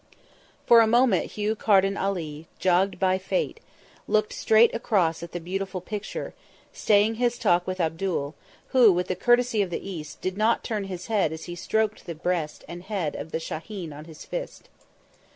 For a moment Hugh Carden Ali, jogged by Fate, looked straight across at the beautiful picture, staying his talk with Abdul, who, with the courtesy of the East, did not turn his head as he stroked the breast and head of the shahin on his fist.